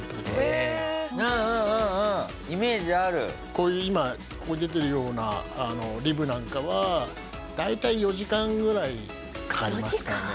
こういう今ここに出てるようなリブなんかは大体４時間ぐらいかかりますかね。